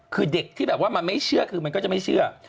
คือเด็กที่แบบว่ามันไม่เชื่อคือมันก็จะไม่เชื่อ